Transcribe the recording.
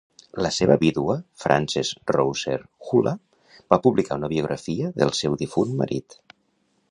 La seva vídua Frances Rosser Hullah va publicar una biografia del seu difunt marit.